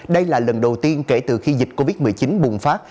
đây là lần đầu tiên kể từ khi dịch covid một mươi chín bùng phát